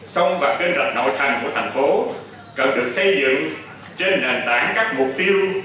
sông và bên rạch nội thành của thành phố cần được xây dựng trên nền tảng các mục tiêu